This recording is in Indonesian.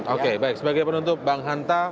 oke baik sebagai penuntut bang hanta terima kasih